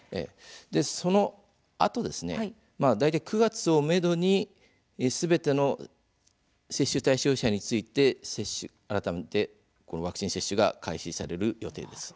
そのあと大体９月をめどにすべての接種対象者について接種が新たに開始される予定です。